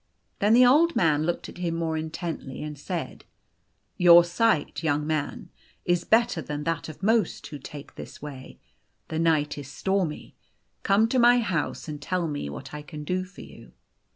Then the Old Man looked at him more intently, and said, " Your sight, young man, is better than that of most who take this way. The night is stormy : come to my house and tell me what I can do for you."